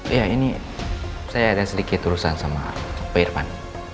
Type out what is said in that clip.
iya ini saya ada sedikit urusan sama pak irfan